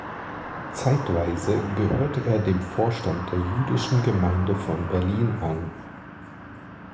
Zeitweise gehörte er dem Vorstand der Jüdischen Gemeinde von Berlin an.